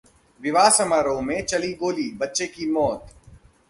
विवाह समारोह में चली गोली, बच्चे की मौत